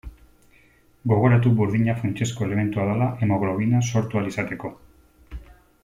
Gogoratu burdina funtsezko elementua dela hemoglobina sortu ahal izateko.